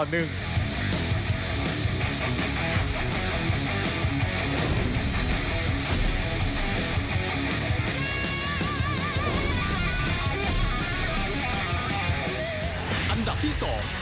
อันดับที่๒